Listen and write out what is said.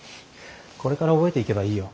これから覚えていけばいいよ。